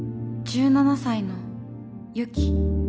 １７才のユキ。